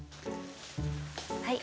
はい。